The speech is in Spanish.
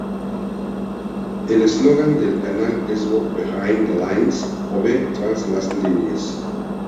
El eslogan del canal es "Go Behind the Lines" o "Ve Tras Las Líneas".